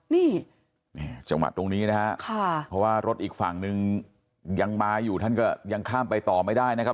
นี่จังหวะตรงนี้นะฮะค่ะเพราะว่ารถอีกฝั่งนึงยังมาอยู่ท่านก็ยังข้ามไปต่อไม่ได้นะครับ